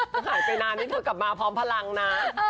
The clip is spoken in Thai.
คือหายไปนานนี่เธอกลับมาพร้อมพลังนะ